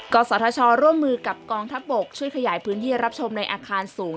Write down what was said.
ศทชร่วมมือกับกองทัพบกช่วยขยายพื้นที่รับชมในอาคารสูง